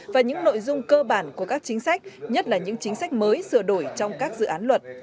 và những nội dung cơ bản của các chính sách nhất là những chính sách mới sửa đổi trong các dự án luật